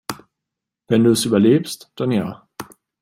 Wenn du es überlebst, dann ja.